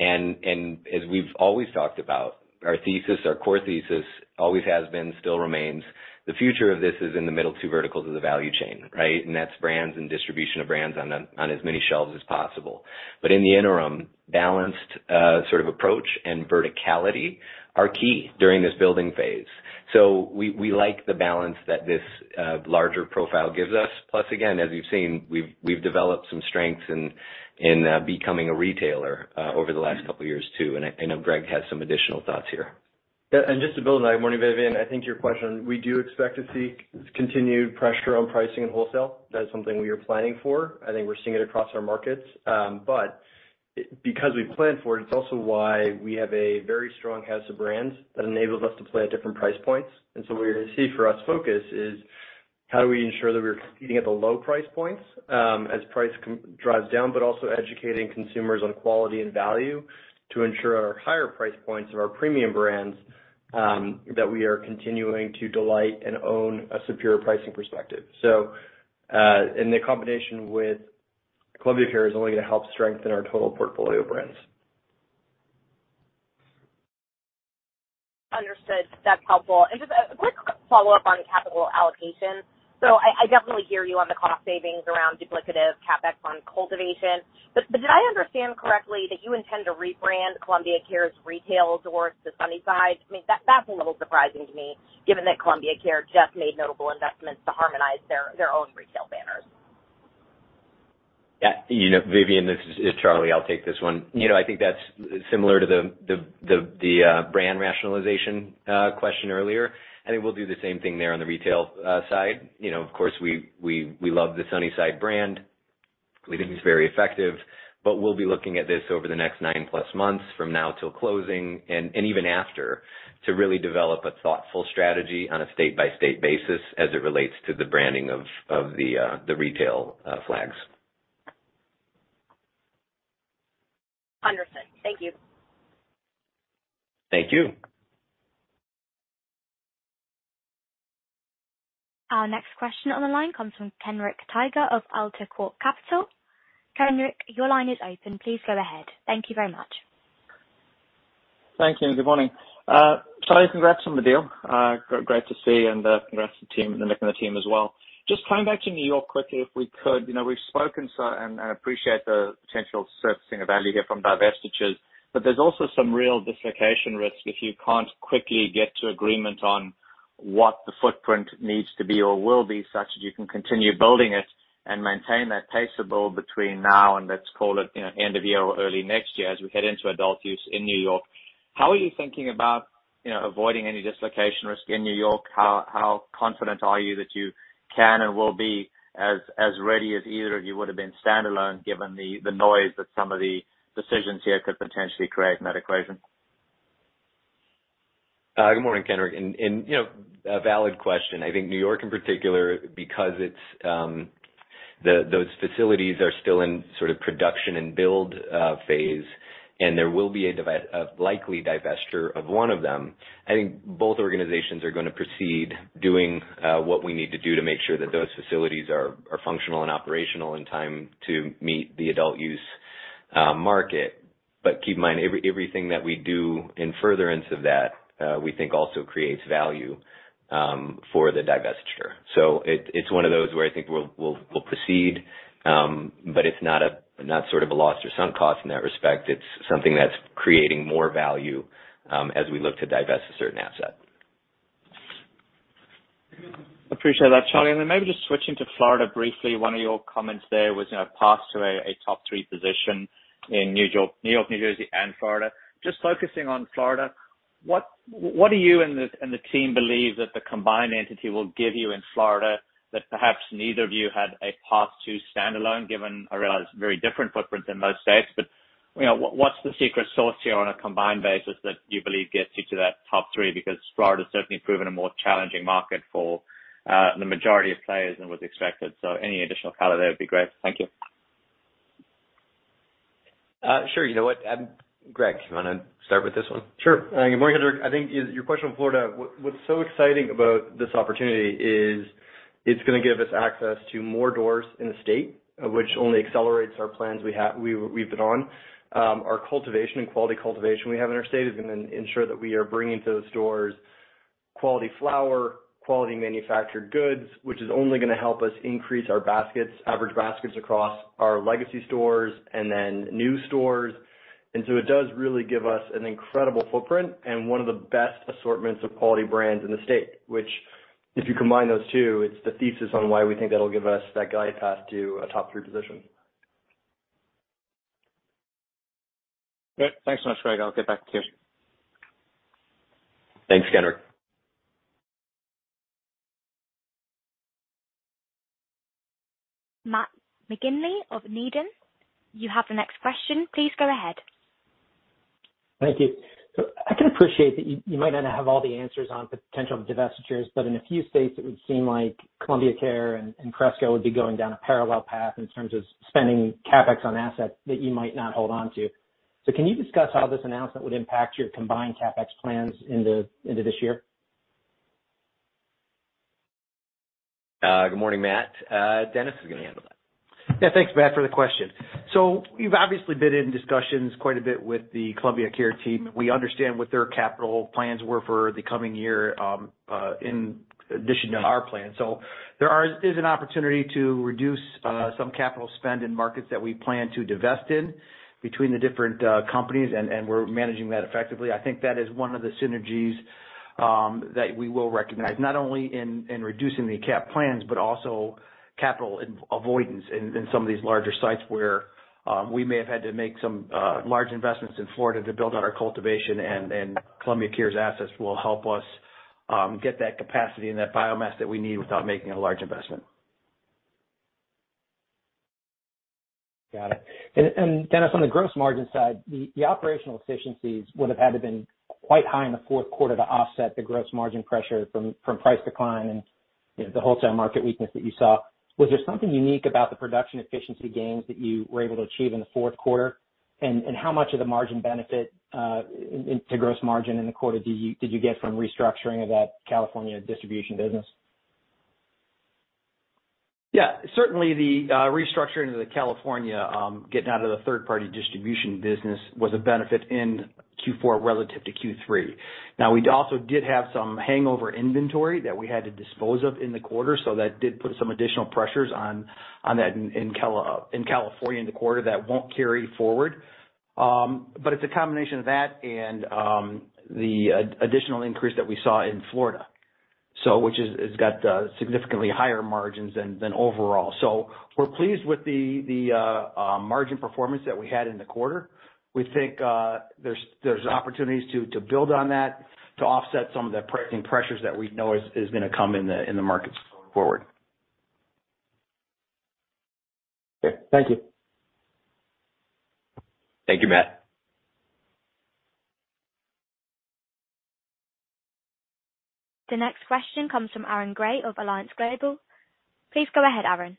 As we've always talked about, our thesis, our core thesis always has been, still remains, the future of this is in the middle two verticals of the value chain, right? That's brands and distribution of brands on as many shelves as possible. But in the interim, balanced sort of approach and verticality are key during this building phase. We like the balance that this larger profile gives us. Plus, again, as you've seen, we've developed some strengths in becoming a retailer over the last couple of years too. I know Greg has some additional thoughts here. Yeah. Just to build on that, morning, Vivian, I think to your question, we do expect to see continued pressure on pricing in wholesale. That is something we are planning for. I think we're seeing it across our markets. But because we planned for it's also why we have a very strong house of brands that enables us to play at different price points. What you're gonna see for us focus is how do we ensure that we're competing at the low-price points, as price drives down, but also educating consumers on quality and value to ensure our higher price points of our premium brands, that we are continuing to delight and own a superior pricing perspective. The combination with Columbia Care is only gonna help strengthen our total portfolio brands. Understood. That's helpful. Just a quick follow-up on capital allocation. I definitely hear you on the cost savings around duplicative CapEx on cultivation. Did I understand correctly that you intend to rebrand Columbia Care's retail doors to Sunnyside? I mean, that's a little surprising to me, given that Columbia Care just made notable investments to harmonize their own retail banners. Yeah. You know, Vivian, this is Charlie. I'll take this one. You know, I think that's similar to the brand rationalization question earlier. I think we'll do the same thing there on the retail side. You know, of course, we love the Sunnyside brand. We think it's very effective. But we'll be looking at this over the next nine-plus months from now till closing and even after to really develop a thoughtful strategy on a state-by-state basis as it relates to the branding of the retail flags. Understood. Thank you. Thank you. Our next question on the line comes from Kenric Tyghe of AltaCorp Capital. Kenric, your line is open. Please go ahead. Thank you very much. Thank you, and good morning. Charlie, congrats on the deal. Great to see and congrats to the team, and Nick and the team as well. Just coming back to New York quickly, if we could. You know, we've spoken and appreciate the potential surfacing of value here from divestitures, but there's also some real dislocation risk if you can't quickly get to agreement on what the footprint needs to be or will be such that you can continue building it and maintain that pace of build between now and let's call it, you know, end of year or early next year as we head into adult use in New York. How are you thinking about, you know, avoiding any dislocation risk in New York? How confident are you that you can and will be as ready as either of you would have been standalone, given the noise that some of the decisions here could potentially create in that equation? Good morning, Kenric. You know, a valid question. I think New York in particular, because it's those facilities are still in sort of production and build phase, and there will be a likely divestiture of one of them. I think both organizations are gonna proceed doing what we need to do to make sure that those facilities are functional and operational in time to meet the adult use market. Keep in mind, everything that we do in furtherance of that, we think also creates value for the divestiture. It, it's one of those where I think we'll proceed, but it's not sort of a lost or sunk cost in that respect. It's something that's creating more value as we look to divest a certain asset. Appreciate that, Charlie. Then maybe just switching to Florida briefly, one of your comments there was, you know, path to a top three position in New York, New Jersey, and Florida. Just focusing on Florida, what do you and the team believe that the combined entity will give you in Florida that perhaps neither of you had a path to standalone, given I realize very different footprints in most states, but, you know, what's the secret sauce here on a combined basis that you believe gets you to that top three? Because Florida has certainly proven a more challenging market for the majority of players than was expected. Any additional color there would be great. Thank you. Sure. You know what? Greg, do you wanna start with this one? Sure. Good morning, Kenric. I think your question on Florida, what's so exciting about this opportunity is it's gonna give us access to more doors in the state, which only accelerates our plans we've been on. Our cultivation and quality cultivation we have in our state is gonna ensure that we are bringing to the stores quality flower, quality manufactured goods, which is only gonna help us increase our baskets, average baskets across our legacy stores and then new stores. It does really give us an incredible footprint and one of the best assortments of quality brands in the state, which, if you combine those two, it's the thesis on why we think that'll give us that guide path to a top three position. Great. Thanks so much, Greg. I'll get back to you. Thanks, Kenric. Matt McGinley of Needham, you have the next question. Please go ahead. Thank you. I can appreciate that you might not have all the answers on potential divestitures, but in a few states it would seem like Columbia Care and Cresco would be going down a parallel path in terms of spending CapEx on assets that you might not hold on to. Can you discuss how this announcement would impact your combined CapEx plans into this year? Good morning, Matt. Dennis is gonna handle that. Yeah, thanks, Matt, for the question. We've obviously been in discussions quite a bit with the Columbia Care team. We understand what their capital plans were for the coming year, in addition to our plan. There is an opportunity to reduce some capital spend in markets that we plan to divest in between the different companies, and we're managing that effectively. I think that is one of the synergies that we will recognize, not only in reducing the cap plans, but also capital avoidance in some of these larger sites where we may have had to make some large investments in Florida to build out our cultivation, and Columbia Care's assets will help us get that capacity and that biomass that we need without making a large investment. Got it. Dennis, on the gross margin side, the operational efficiencies would have had to been quite high in the Q4 to offset the gross margin pressure from price decline and, you know, the wholesale market weakness that you saw. Was there something unique about the production efficiency gains that you were able to achieve in the Q4? How much of the margin benefit into gross margin in the quarter did you get from restructuring of that California distribution business? Yeah. Certainly the restructuring of the California getting out of the third-party distribution business was a benefit in Q4 relative to Q3. Now, we also did have some hangover inventory that we had to dispose of in the quarter, so that did put some additional pressures on that in California in the quarter that won't carry forward. It's a combination of that and the additional increase that we saw in Florida, which has got significantly higher margins than overall. We're pleased with the margin performance that we had in the quarter. We think there's opportunities to build on that, to offset some of the pricing pressures that we know is gonna come in the markets going forward. Okay. Thank you. Thank you, Matt. The next question comes from Aaron Grey of Alliance Global. Please go ahead, Aaron.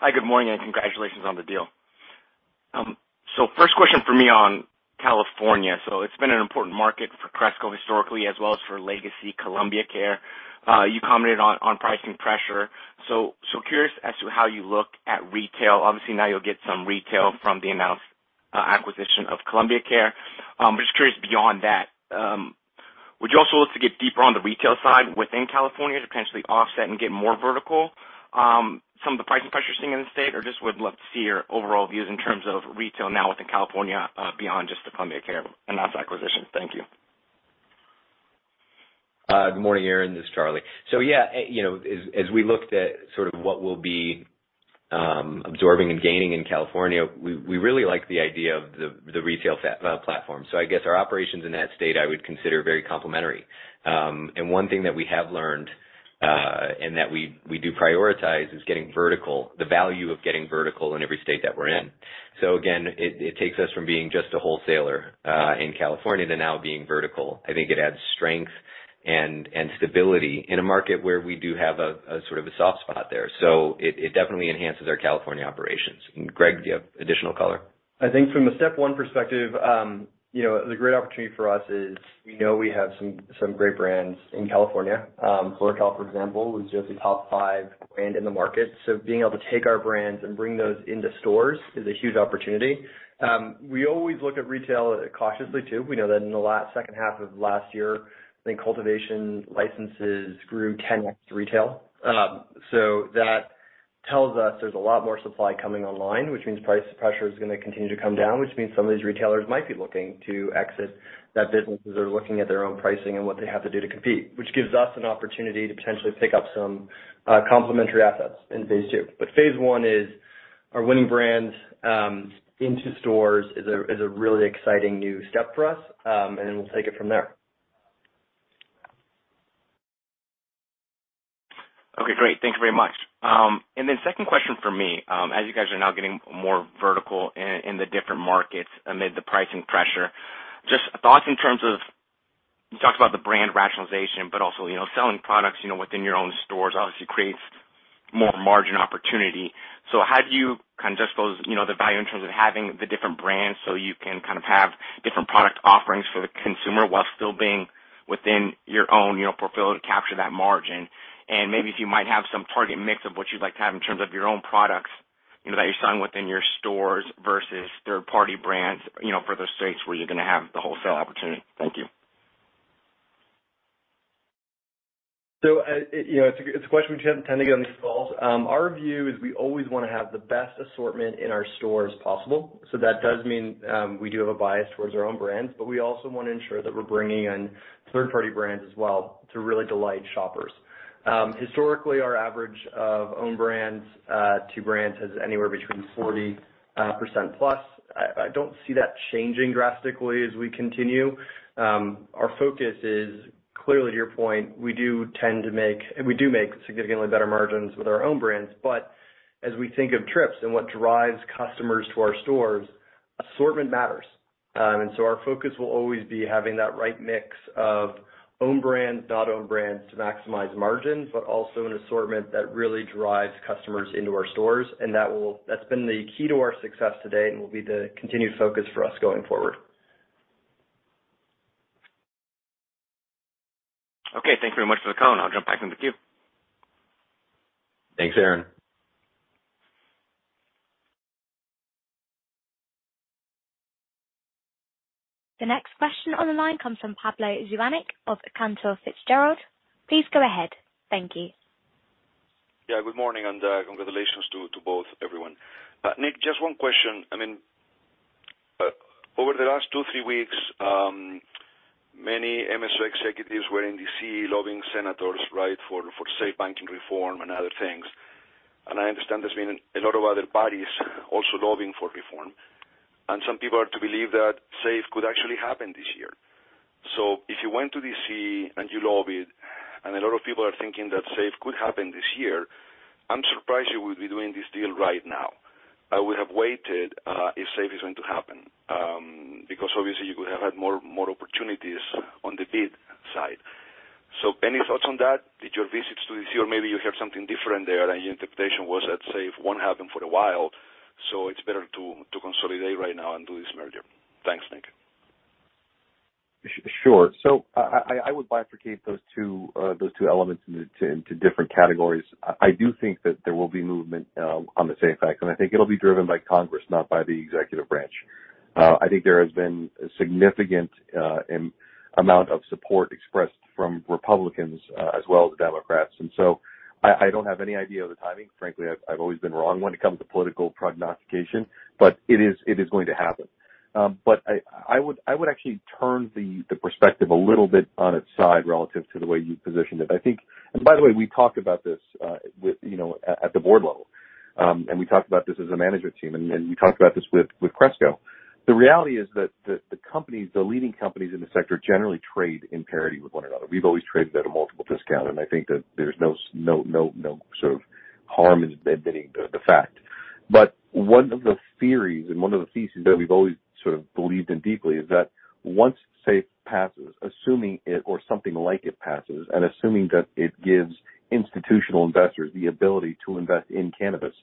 Hi, good morning, and congratulations on the deal. First question for me on California. It's been an important market for Cresco historically, as well as for Legacy Columbia Care. You commented on pricing pressure. Curious as to how you look at retail. Obviously, now you'll get some retail from the announced acquisition of Columbia Care. But just curious beyond that, would you also look to get deeper on the retail side within California to potentially offset and get more vertical some of the pricing pressures seen in the state? Or just would love to see your overall views in terms of retail now within California, beyond just the Columbia Care announced acquisition. Thank you. Good morning, Aaron, this is Charlie. Yeah, you know, as we looked at sort of what we'll be absorbing and gaining in California, we really like the idea of the retail platform. I guess our operations in that state I would consider very complementary. One thing that we have learned and that we do prioritize is getting vertical, the value of getting vertical in every state that we're in. Again, it takes us from being just a wholesaler in California to now being vertical. I think it adds strength and stability in a market where we do have a sort of soft spot there. It definitely enhances our California operations. Greg, do you have additional color? I think from a step one perspective, you know, the great opportunity for us is we know we have some great brands in California. FloraCal, for example, was just a top five brand in the market. Being able to take our brands and bring those into stores is a huge opportunity. We always look at retail cautiously too. We know that in the H2 of last year, I think cultivation licenses grew tenfold next to retail. That tells us there's a lot more supply coming online, which means price pressure is gonna continue to come down, which means some of these retailers might be looking to exit that business as they're looking at their own pricing and what they have to do to compete, which gives us an opportunity to potentially pick up some complementary assets in phase II. Phase I is our winning brand into stores is a really exciting new step for us, and we'll take it from there. Okay, great. Thank you very much. Second question for me, as you guys are now getting more vertical in the different markets amid the pricing pressure, just thoughts in terms of. You talked about the brand rationalization, but also, you know, selling products, you know, within your own stores obviously creates more margin opportunity. How do you kind of juxtapose, you know, the value in terms of having the different brands so you can kind of have different product offerings for the consumer while still being within your own, you know, portfolio to capture that margin? Maybe if you might have some target mix of what you'd like to have in terms of your own products, you know, that you're selling within your stores versus third-party brands, you know, for those states where you're gonna have the wholesale opportunity. Thank you. You know, it's a question we tend to get on these calls. Our view is we always wanna have the best assortment in our store as possible. That does mean we do have a bias towards our own brands, but we also want to ensure that we're bringing in third-party brands as well to really delight shoppers. Historically, our average of own brands to brands is anywhere between 40% plus. I don't see that changing drastically as we continue. Our focus is clearly to your point, we do make significantly better margins with our own brands. But as we think of trips and what drives customers to our stores, assortment matters. Our focus will always be having that right mix of own brands to maximize margin, but also an assortment that really drives customers into our stores. That's been the key to our success today and will be the continued focus for us going forward. Okay. Thank you very much for the call. I'll jump back in the queue. Thanks, Aaron. The next question on the line comes from Pablo Zuanic of Cantor Fitzgerald. Please go ahead. Thank you. Yeah, good morning and congratulations to both everyone. Nick, just one question. I mean, over the last 2-3 weeks, many MSO executives were in D.C. lobbying senators, right, for safe banking reform and other things. I understand there's been a lot of other parties also lobbying for reform. Some people are led to believe that safe could actually happen this year. If you went to D.C. and you lobbied, and a lot of people are thinking that safe could happen this year, I'm surprised you would be doing this deal right now. I would have waited, if safe is going to happen, because obviously you could have had more opportunities on the bid side. Any thoughts on that? Did your visits to D.C. or maybe you have something different there and your interpretation was that SAFE won't happen for a while, so it's better to consolidate right now and do this merger? Thanks, Nick. Sure. I would bifurcate those two elements into different categories. I do think that there will be movement on the SAFE Act, and I think it'll be driven by Congress, not by the executive branch. I think there has been a significant amount of support expressed from Republicans as well as Democrats. I don't have any idea of the timing. Frankly, I've always been wrong when it comes to political prognostication, but it is going to happen. I would actually turn the perspective a little bit on its side relative to the way you positioned it. I think. By the way, we talked about this with you know at the board level. We talked about this as a management team, and you talked about this with Cresco. The reality is that the companies, the leading companies in the sector generally trade in parity with one another. We've always traded at a multiple discount, and I think that there's no sort of harm in admitting the fact. One of the theories and one of the theses that we've always sort of believed in deeply is that once safe passes, assuming it or something like it passes, and assuming that it gives institutional investors the ability to invest in cannabis,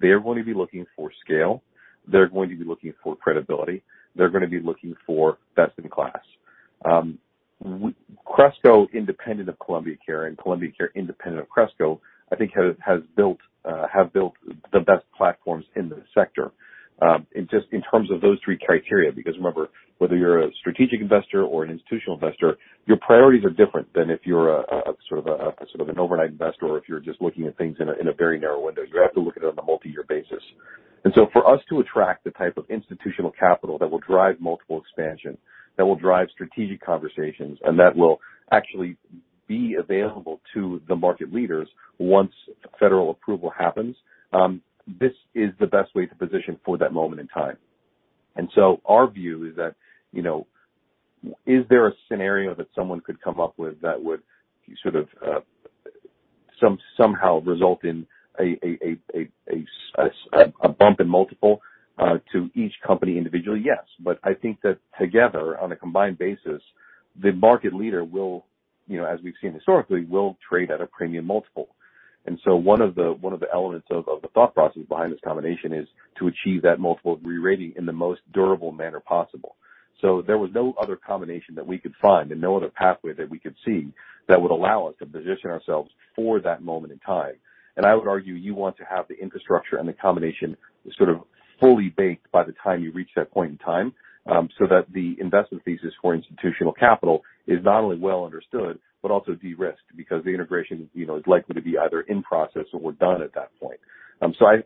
they're going to be looking for scale, they're going to be looking for credibility, they're gonna be looking for best in class. Cresco, independent of Columbia Care and Columbia Care independent of Cresco, I think have built the best platforms in the sector, in just in terms of those three criteria, because remember, whether you're a strategic investor or an institutional investor, your priorities are different than if you're a sort of an overnight investor or if you're just looking at things in a very narrow window. You have to look at it on a multi-year basis. For us to attract the type of institutional capital that will drive multiple expansion, that will drive strategic conversations and that will actually be available to the market leaders once federal approval happens, this is the best way to position for that moment in time. Our view is that, you know, is there a scenario that someone could come up with that would sort of somehow result in a bump in multiple to each company individually? Yes. I think that together on a combined basis, the market leader will, you know, as we've seen historically, will trade at a premium multiple. One of the elements of the thought process behind this combination is to achieve that multiple re-rating in the most durable manner possible. There was no other combination that we could find and no other pathway that we could see that would allow us to position ourselves for that moment in time. I would argue you want to have the infrastructure and the combination sort of fully baked by the time you reach that point in time, so that the investment thesis for institutional capital is not only well understood but also de-risked because the integration, you know, is likely to be either in process or done at that point. So, I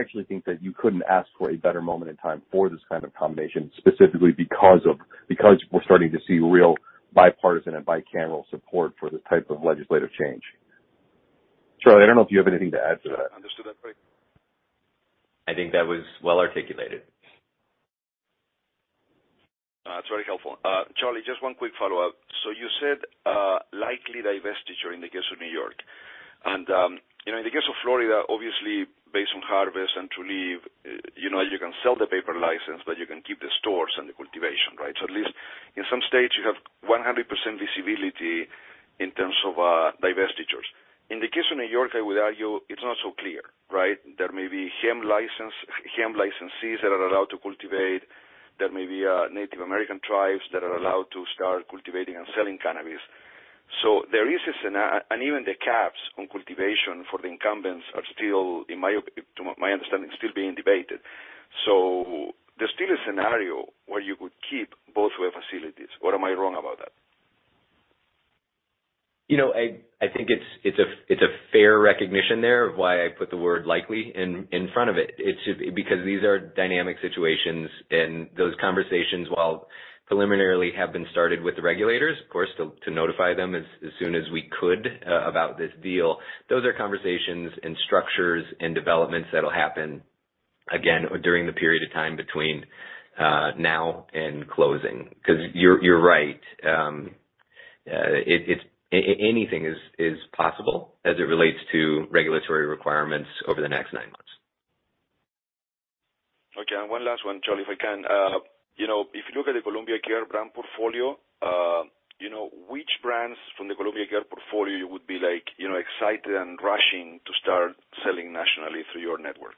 actually think that you couldn't ask for a better moment in time for this kind of combination, specifically because we're starting to see real bipartisan and bicameral support for this type of legislative change. Charlie, I don't know if you have anything to add to that. Understood that quick. I think that was well articulated. It's very helpful. Charlie, just one quick follow-up. You said likely divestiture in the case of New York. In the case of Florida, you know, obviously based on Harvest and Trulieve, you know, you can sell the paper license, but you can keep the stores and the cultivation, right? At least in some states you have 100% visibility in terms of divestitures. In the case of New York, I would argue it's not so clear, right? There may be hemp license, hemp licensees that are allowed to cultivate. There may be Native American tribes that are allowed to start cultivating and selling cannabis. So, there is a scenario and even the caps on cultivation for the incumbents are still, in my opinion, to my understanding, still being debated. There's still a scenario where you could keep both your facilities. Am I wrong about that? You know, I think it's a fair recognition there of why I put the word likely in front of it. It's just because these are dynamic situations and those conversations, while preliminarily have been started with the regulators, of course to notify them as soon as we could about this deal. Those are conversations and structures and developments that'll happen again during the period of time between now and closing. 'Cause you're right. Anything is possible as it relates to regulatory requirements over the next nine months. Okay. One last one, Charlie, if I can. You know, if you look at the Columbia Care brand portfolio, which brands from the Columbia Care portfolio would be like, you know, excited and rushing to start selling nationally through your network?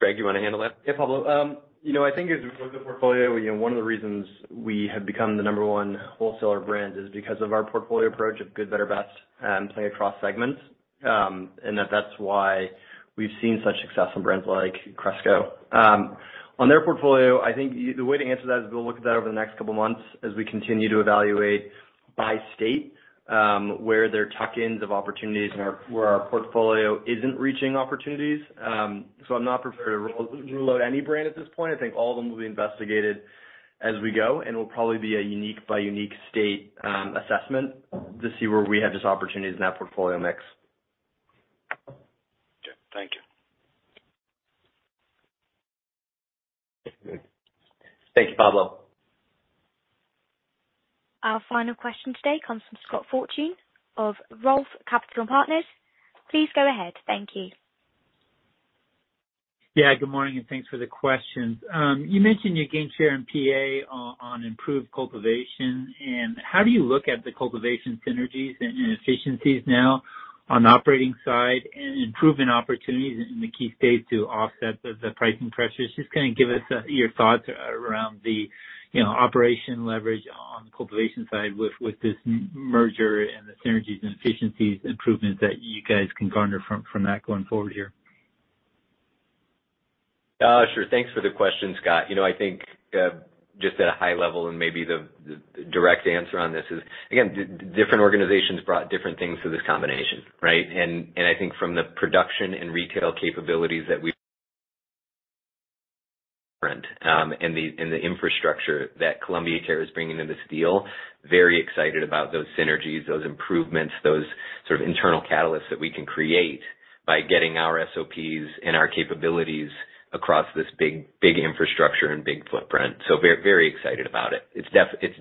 Greg, you wanna handle that? Yeah, Pablo. You know, I think as with the portfolio, you know, one of the reasons we have become the number one wholesaler brand is because of our portfolio approach of good, better, best, playing across segments. That's why we've seen such success from brands like Cresco. On their portfolio, I think the way to answer that is we'll look at that over the next couple of months as we continue to evaluate by state, where their tuck-ins of opportunities and where our portfolio isn't reaching opportunities. I'm not prepared to reload any brand at this point. I think all of them will be investigated as we go and will probably be a unique-by-unique state assessment to see where we have those opportunities in that portfolio mix. Okay. Thank you. Thank you, Pablo. Our final question today comes from Scott Fortune of ROTH Capital Partners. Please go ahead. Thank you. Yeah. Good morning, and thanks for the questions. You mentioned your gain share in PA on improved cultivation and how do you look at the cultivation synergies and efficiencies now on the operating side and improvement opportunities in the key states to offset the pricing pressures? Just kind of give us your thoughts around the, you know, operational leverage on the cultivation side with this merger and the synergies and efficiencies improvements that you guys can garner from that going forward here. Sure. Thanks for the question, Scott. You know, I think just at a high level, and maybe the direct answer on this is, again, different organizations brought different things to this combination, right? I think from the production and retail capabilities that we have and the infrastructure that Columbia Care is bringing to this deal, very excited about those synergies, those improvements, those sort of internal catalysts that we can create by getting our SOPs and our capabilities across this big infrastructure and big footprint. Very excited about it. It's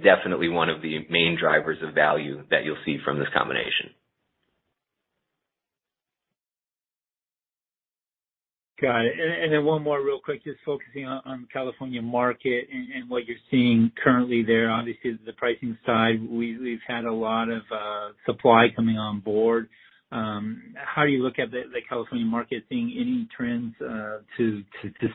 definitely one of the main drivers of value that you'll see from this combination. Got it. Then one more real quick, just focusing on California market and what you're seeing currently there. Obviously, the pricing side, we've had a lot of supply coming on board. How do you look at the California market, seeing any trends to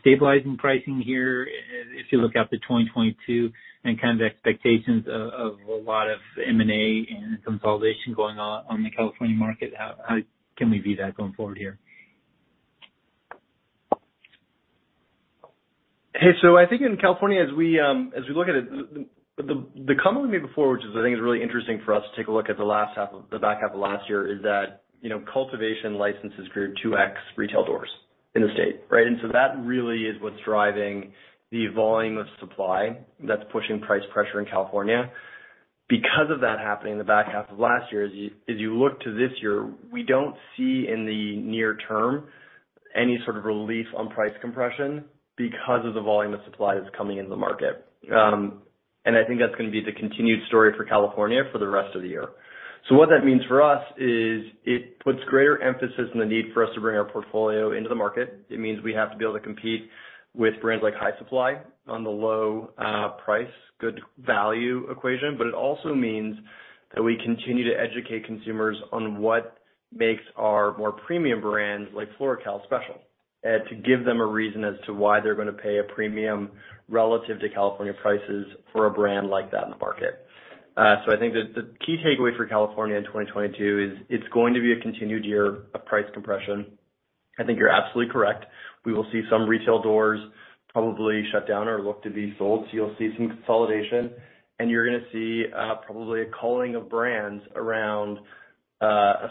stabilizing pricing here if you look out to 2022 and kind of the expectations of a lot of M&A and consolidation going on the California market? How can we view that going forward here? Hey, so I think in California, as we look at it, the company before, which I think is really interesting for us to take a look at the back half of last year, is that, you know, cultivation licenses grew 2x retail doors in the state, right? That really is what's driving the volume of supply that's pushing price pressure in California. Because of that happening in the back half of last year, as you look to this year, we don't see in the near term any sort of relief on price compression because of the volume of supply that's coming into the market. I think that's gonna be the continued story for California for the rest of the year. What that means for us is it puts greater emphasis on the need for us to bring our portfolio into the market. It means we have to be able to compete with brands like High Supply on the low, price, good value equation. It also means that we continue to educate consumers on what makes our more premium brands like FloraCal special, to give them a reason as to why they're gonna pay a premium relative to California prices for a brand like that in the market. I think the key takeaway for California in 2022 is it's going to be a continued year of price compression. I think you're absolutely correct. We will see some retail doors probably shut down or look to be sold. You'll see some consolidation, and you're gonna see probably a culling of brands around a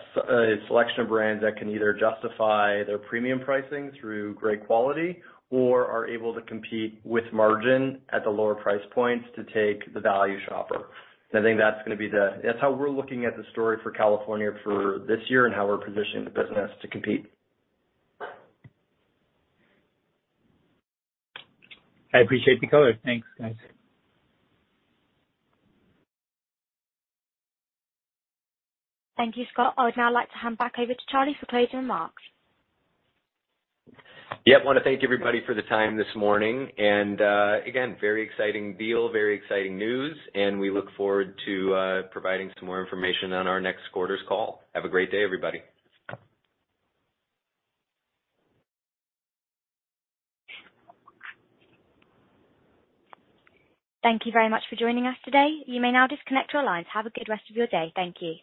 selection of brands that can either justify their premium pricing through great quality or are able to compete with margin at the lower price points to take the value shopper. I think that's gonna be the story. That's how we're looking at the story for California for this year and how we're positioning the business to compete. I appreciate the color. Thanks, guys. Thank you, Scott. I would now like to hand back over to Charlie for closing remarks. Yeah. I wanna thank everybody for the time this morning, and, again, very exciting deal, very exciting news, and we look forward to providing some more information on our next quarter's call. Have a great day, everybody. Thank you very much for joining us today. You may now disconnect your lines. Have a good rest of your day. Thank you.